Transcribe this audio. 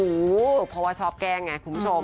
อู่พอว่าชอบแกล้งไงคุณผู้ชม